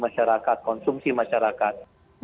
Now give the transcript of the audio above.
dari masyarakat konsumsi masyarakat